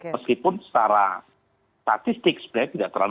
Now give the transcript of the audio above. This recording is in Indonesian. meskipun secara statistik sebenarnya tidak terlalu